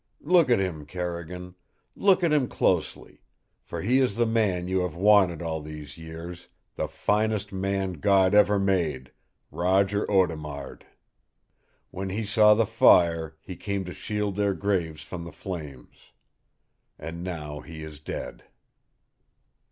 Look at him, Carrigan. Look at him closely. For he is the man you have wanted all these years, the finest man God ever made, Roger Audemard! When he saw the fire, he came to shield their graves from the flames. And now he is dead!"